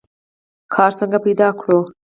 کار څنګه پیدا کړو؟